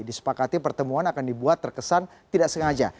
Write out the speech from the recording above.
disepakati pertemuan akan dibuat terkesan tidak sengaja